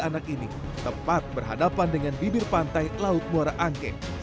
anak ini tepat berhadapan dengan bibir pantai laut muara angke